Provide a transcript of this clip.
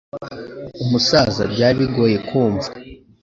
Umusaza byari bigoye kumva